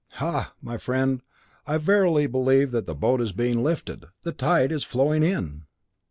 Ha! my friend, I verily believe that the boat is being lifted. The tide is flowing in."